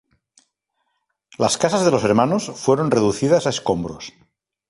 Las casas de los hermanos fueron reducidas a escombros.